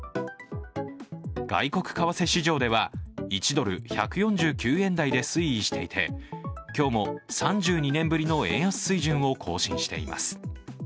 外国為替市場では１ドル＝１４９円台で推移していて今日も３２年ぶりの円安水準を更新しています。